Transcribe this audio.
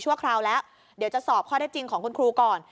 คราวแล้วเดี๋ยวจะสอบข้อได้จริงของคุณครูก่อน